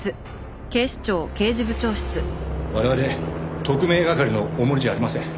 我々特命係のお守りじゃありません。